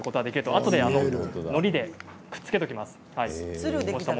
あとでのりでくっつけておきます。